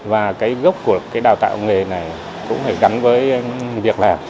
và gốc của đào tạo nghề này cũng phải gắn với việc làm